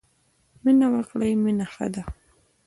مینه وکړی مینه ښه ده.